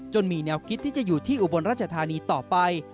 มีแนวคิดที่จะอยู่ที่อุบลราชธานีต่อไป